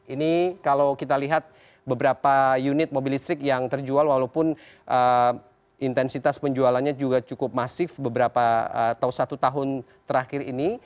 ini kalau kita lihat beberapa unit mobil listrik yang terjual walaupun intensitas penjualannya juga cukup masif beberapa atau satu tahun terakhir ini